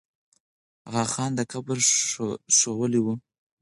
آغا خان دا قبر ښوولی وو.